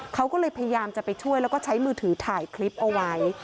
เขาก็เลยพยายามจะไปช่วยแล้วก็ใช้มือถือถ่ายคลิปเอาไว้